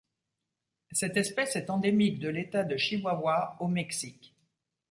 Cette espèce est endémique de l'État de Chihuahua au Mexique.